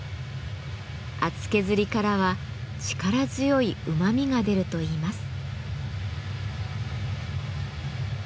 厚削りからは力強いうまみが出るといいます。